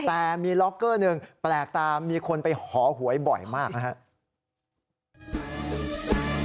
แต่มีล็อกเกอร์หนึ่งแปลกตามีคนไปหอหวยบ่อยมากนะครับ